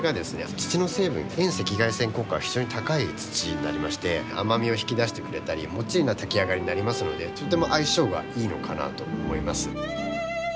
土の成分遠赤外線効果が非常に高い土になりまして甘みを引き出してくれたりもっちりな炊き上がりになりますのでとても相性がいいのかなと思います。